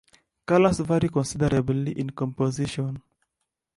Colours vary considerably in composition.